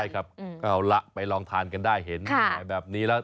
ไอ้ครับเอาละไปลองทานกันได้เห็น